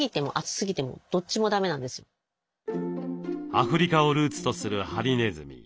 アフリカをルーツとするハリネズミ。